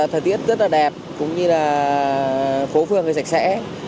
thời tiết rất là đẹp cũng như là phố phương rất là sạch sẽ